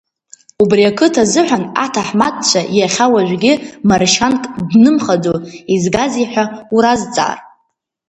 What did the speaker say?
Убри ақыҭа азыҳәан аҭаҳмадцәа иахьа-уажәгьы Маршьанк днымхаӡо, изгазеи ҳәа уразҵаар…